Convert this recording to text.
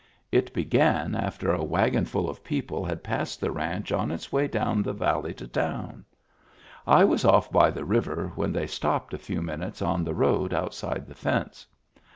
It began after a wagonf ul of people had passed the ranch on its way down the valley to town. I was off by the river when they stopped a few minutes on the road outside the fence.